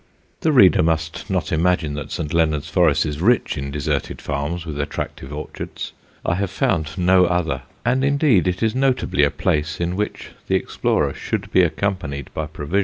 The reader must not imagine that St. Leonard's Forest is rich in deserted farms with attractive orchards. I have found no other, and indeed it is notably a place in which the explorer should be accompanied by provisions.